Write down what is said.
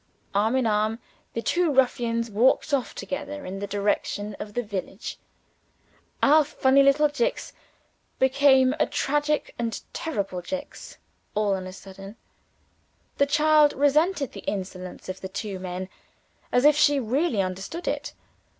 Arm in arm, the two ruffians walked off together in the direction of the village. Our funny little Jicks became a tragic and terrible Jicks, all on a sudden. The child resented the insolence of the two men as if she really understood it.